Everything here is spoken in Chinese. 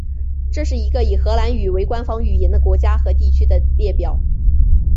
这是一个以荷兰语为官方语言的国家和地区的列表。